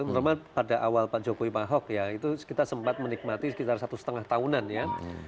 normal pada awal pak jokowi pak ahok ya itu kita sempat menikmati sekitar satu setengah tahunan ya